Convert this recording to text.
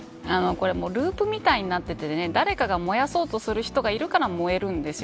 これループみたいになってて誰かが燃やそうとする人がいるから、燃えるんです。